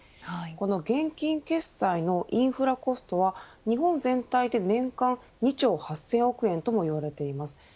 この現金決済のインフラコストは日本全体で年間２兆８０００億円と言われています。